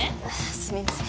すみません